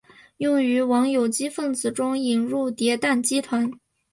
用于往有机分子中引入叠氮基团。